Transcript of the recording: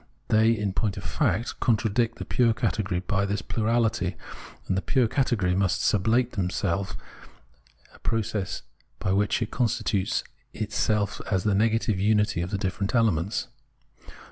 They, in point of fact, contra dict the pure category by this plurality, and the pure category must sublate them in itself, a process by which it constitutes itself the negative unity of the different elements.